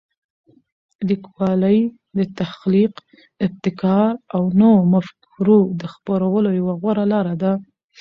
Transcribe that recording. لیکوالی د تخلیق، ابتکار او نوو مفکورو د خپرولو یوه غوره لاره ده.